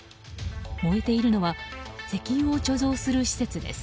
燃えているのは石油を貯蔵する施設です。